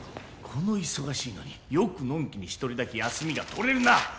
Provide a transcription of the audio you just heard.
この忙しいのによくのんきに一人だけ休みが取れるな！